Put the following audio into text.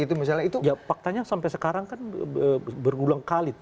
tapi sampai sekarang kan berulang kali